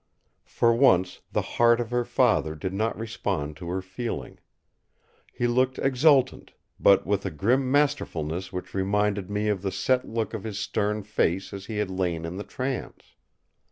For once the heart of her father did not respond to her feeling. He looked exultant, but with a grim masterfulness which reminded me of the set look of his stern face as he had lain in the trance.